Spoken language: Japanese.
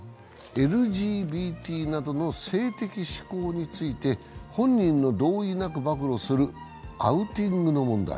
ＬＧＢＴなどの性的指向について本人の同意なく暴露するアウティングの問題。